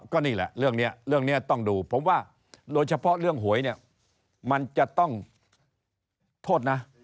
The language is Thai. ก็นี่แหละเรื่องนี้ต้องดูเพราะว่าโดยเฉพาะเรื่องหวยเนี่ยมันจะต้องโทษนะ